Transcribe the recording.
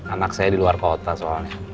anak saya di luar kota soalnya